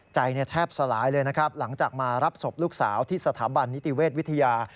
ใจแทบสลายเลยนะครับหลังจากมารับศพลูกสาวที่สถาบันนิติเวชวิทยา